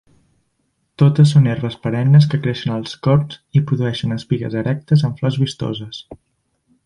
Totes són herbes perennes que creixen dels corms i produeixen espigues erectes amb flors vistoses.